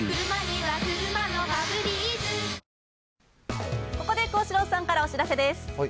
なので、ここで幸四郎さんからお知らせです。